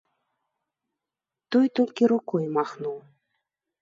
Той толькі рукой махнуў.